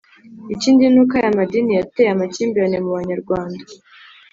ikindi n'uko ayo madini yateye amakimbirane mu banyarwanda: